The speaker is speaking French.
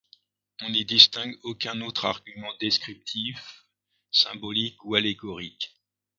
On n'y distingue aucun autre argument descriptif, symbolique ou allégorique.